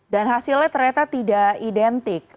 dan hasilnya ternyata tidak identik